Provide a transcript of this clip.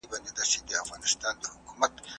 رسنۍ د نړۍ د هر ګوټ خبرونه موږ ته را رسوي.